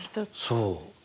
そう。